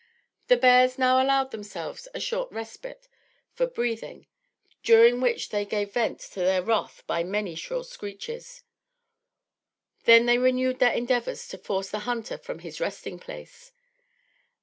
The bears now allowed themselves a short respite for breathing, during which they gave vent to their wrath by many shrill screeches. Then they renewed their endeavors to force the hunter from his resting place.